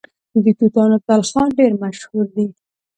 د توتانو تلخان ډیر مشهور دی.